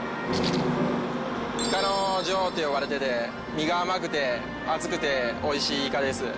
イカの女王と呼ばれていて身が甘くて厚くておいしいイカです。